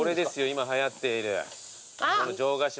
今はやっている。